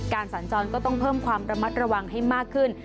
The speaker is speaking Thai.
สัญจรก็ต้องเพิ่มความระมัดระวังให้มากขึ้น